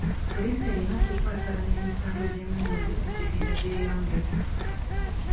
Poliisi erina okukwasaganya emisango gy'emmundu egigenda gyeyongera.